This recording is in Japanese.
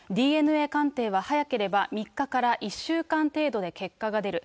ＤＮＡ鑑定は早ければ３日から１週間程度で結果が出る。